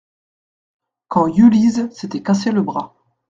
Quand Yulizh s’était cassée le bras.